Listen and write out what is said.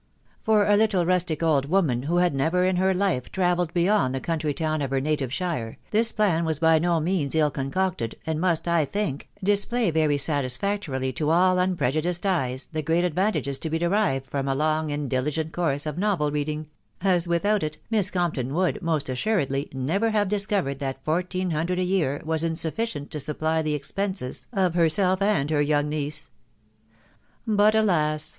For a little rustic old woman who had never in her life travelled beyond the county town of her native shire, this plan was by no means ill concocted, and must, I think, display very satisfactorily to all unprejudiced eyes the great advantages to be derived from a long and diligent course of novel reading, as, without it, Miss Compton would, most assuredly, never have discovered that fourteen hundred a year was insufficient to supply the expenses of herself and her young niece. But, alas